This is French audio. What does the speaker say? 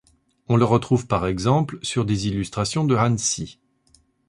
On le retrouve par exemple sur des illustrations de Hansi.